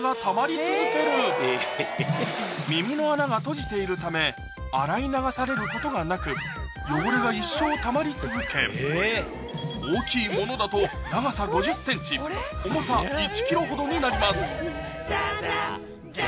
耳の穴が閉じているため洗い流されることがなく汚れが一生たまり続け大きいものだとほどになります